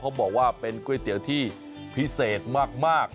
เขาบอกว่าเป็นก๋วยเตี๋ยวที่พิเศษมาก